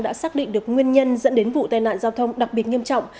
đã xác định được nguyên nhân dẫn đến vụ tai nạn giao thông đặc biệt nghiêm trọng